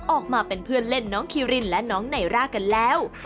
ออกมาเป็นเพื่อนเล่นน้องคิรินและน้องไนร่ากันแล้ว